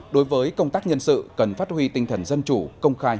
đối với công tác nhân sự cần phát huy tinh thần dân chủ công khai